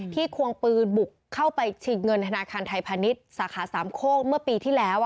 ควงปืนบุกเข้าไปชิงเงินธนาคารไทยพาณิชย์สาขาสามโคกเมื่อปีที่แล้ว